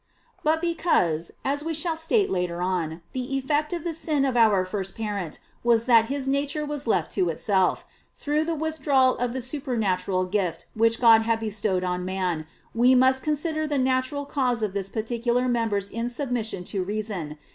But because, as we shall state later on, the effect of the sin of our first parent was that his nature was left to itself, through the withdrawal of the supernatural gift which God had bestowed on man, we must consider the natural cause of this particular member's insubmission to reason.